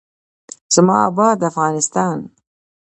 زما اباد افغانستان.